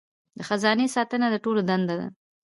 د خزانې ساتنه د ټولو دنده ده.